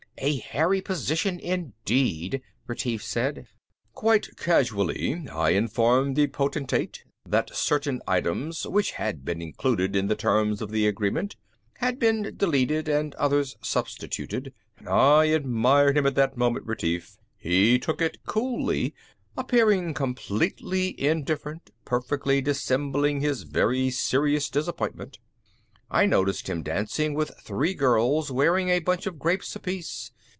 "A hairy position indeed," Retief said. "Quite casually, I informed the Potentate that certain items which had been included in the terms of the agreement had been deleted and others substituted. I admired him at that moment, Retief. He took it coolly appearing completely indifferent perfectly dissembling his very serious disappointment." "I noticed him dancing with three girls wearing a bunch of grapes apiece.